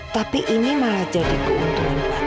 tapi ini malah jadi keuntungan pak